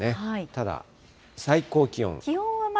ただ、最高気温。